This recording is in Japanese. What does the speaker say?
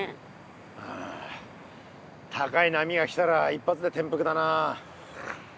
ああ高い波が来たら一発でてんぷくだな。